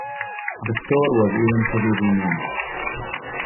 The store was eventually renamed.